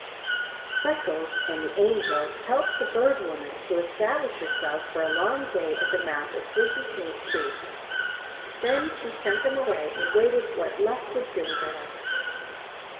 Freckles and the Angel helped the Bird Woman to establish herself for a long day at the mouth of Sleepy Snake Creek. Then she sent them away and waited what luck would bring to her.